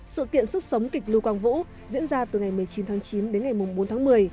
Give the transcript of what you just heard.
sự kiện sức sống kịch lưu quang vũ diễn ra từ ngày một mươi chín tháng chín đến ngày bốn tháng một mươi